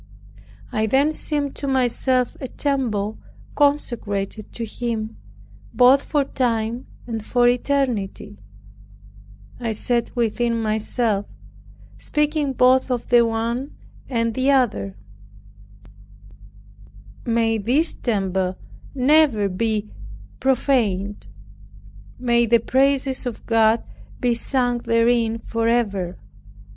I then seemed to myself a temple consecrated to Him, both for time and for eternity. I said within myself, (speaking both of the one and the other) "May this temple never be profaned; may the praises of God be sung therein forever!"